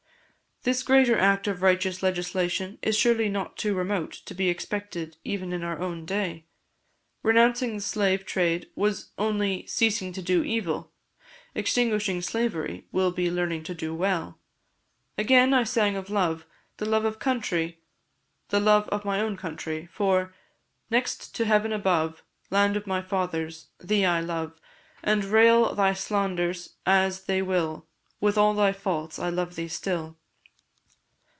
This greater act of righteous legislation is surely not too remote to be expected even in our own day. Renouncing the slave trade was only 'ceasing to do evil;' extinguishing slavery will be 'learning to do well.' Again, I sang of love the love of country, the love of my own country; for, 'Next to heaven above, Land of my fathers! thee I love; And, rail thy slanderers as they will, With all thy faults I love thee still.'